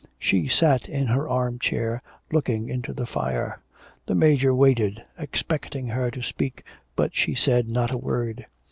She sat in her arm chair looking into the fire. The Major waited, expecting her to speak, but she said not a word.